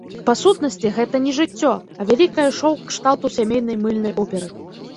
Па сутнасці, гэта не жыццё, а вялікае шоў кшталту сямейнай мыльнай оперы.